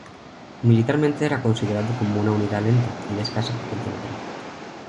Militarmente era considerado como una unidad lenta y de escasa potencia motriz.